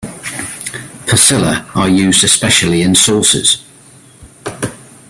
Pasilla are used especially in sauces.